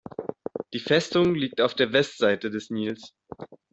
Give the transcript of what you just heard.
Die Festung liegt auf der Westseite des Nils.